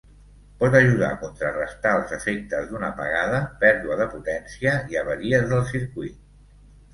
Pot ajudar a contrarestar els efectes d'una apagada, pèrdua de potència i avaries del circuit.